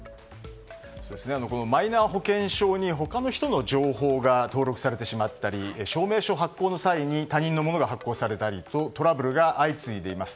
このマイナ保険証に他の人の情報が登録されたり証明書発行の際に他人のものが発行されたりとトラブルが相次いでいます。